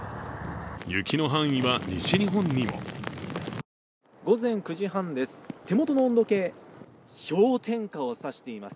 雪の範囲は、西日本にも午前９時半です。